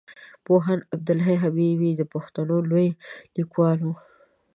پوهاند عبدالحی حبيبي د پښتو لوی ليکوال وو.